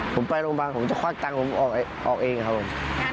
ผมไปโรงพยาบาลผมจะควักตังค์ผมออกเองครับผม